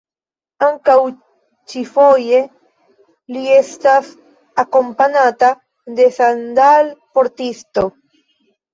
Ankaŭ ĉifoje, li estas akompanata de sandal-portisto.